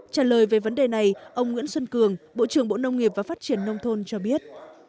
trả lời về vấn đề này ông nguyễn xuân cường bộ trưởng bộ nông nghiệp và phát triển nông thôn cho biết